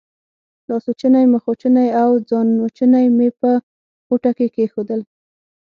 لاسوچونې، مخوچونې او ځانوچونی مې په غوټه کې کېښودل.